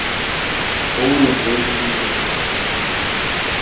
Ouro Verde de Minas